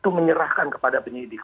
itu menyerahkan kepada penyidik